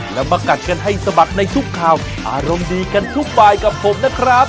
แล้วมากัดกันให้สะบัดในทุกข่าวอารมณ์ดีกันทุกบายกับผมนะครับ